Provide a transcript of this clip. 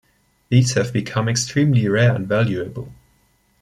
These have become extremely rare and valuable.